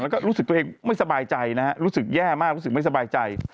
แล้วก็รู้สึกตัวเองไม่สบายใจนะฮะรู้สึกแย่มากรู้สึกไม่สบายใจ